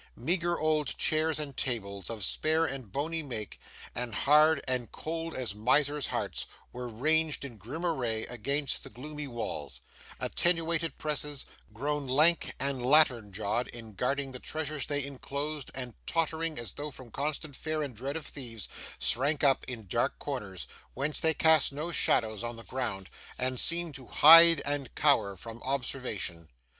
Meagre old chairs and tables, of spare and bony make, and hard and cold as misers' hearts, were ranged, in grim array, against the gloomy walls; attenuated presses, grown lank and lantern jawed in guarding the treasures they enclosed, and tottering, as though from constant fear and dread of thieves, shrunk up in dark corners, whence they cast no shadows on the ground, and seemed to hide and cower from observation.